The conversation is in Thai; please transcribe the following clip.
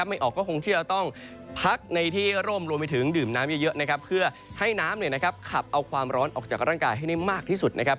ไม่ออกก็คงที่จะต้องพักในที่ร่มรวมไปถึงดื่มน้ำเยอะนะครับเพื่อให้น้ำเนี่ยนะครับขับเอาความร้อนออกจากร่างกายให้ได้มากที่สุดนะครับ